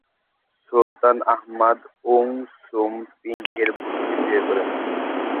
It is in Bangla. সুলতান আহমাদ ওং সুম পিং এর বোনকে বিয়ে করেন।